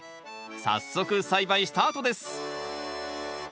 早速栽培スタートです！